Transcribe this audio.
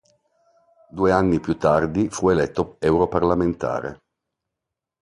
Due anni più tardi fu eletto europarlamentare.